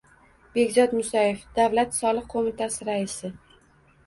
Behzod Musaev, Davlat soliq qo'mitasi raisi: